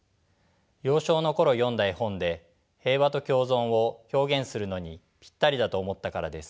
幼少の頃読んだ絵本で平和と共存を表現するのにピッタリだと思ったからです。